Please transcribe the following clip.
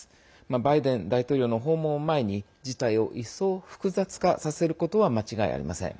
バイデン大統領の訪問を前に事態を一層、複雑化させることは間違いありません。